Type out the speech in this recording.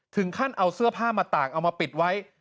ถึงขั้นเอาเสื้อผ้ามาตากเอามาปิดไว้